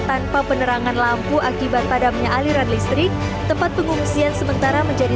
tanpa penerangan lampu akibat padamnya aliran listrik tempat pengungsian sementara menjadi